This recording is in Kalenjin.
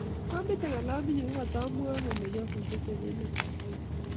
ngameti kalaminyu kogatmwae kole nyasusiet eng emetab Kenya